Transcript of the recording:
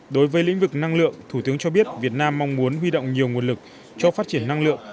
đối với lĩnh vực năng lượng thủ tướng cho biết việt nam mong muốn huy động nhiều nguồn lực cho phát triển năng lượng